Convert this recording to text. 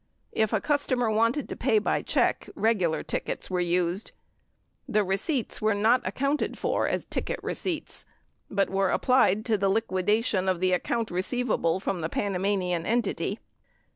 If a cus tomer wanted to pay by check, regular tickets were used. The receipts were not accounted for as ticket receipts, but were applied to the liquidation of the account receivable from the Panamanian entity.